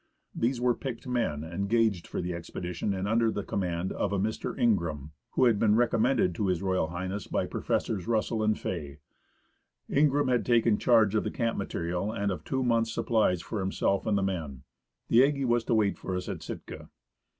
These were picked men engaged for the ex pedition and under the command of a Mr. Ingraham, who had been recommended to H.R. H. by Professors Russell and Fay. Ingraham had taken charge of the camp material and of two 13 THE ASCENT OF MOUNT ST. ELIAS months' supplies for himself and the men. The Aggie was to wait for us at Sitka.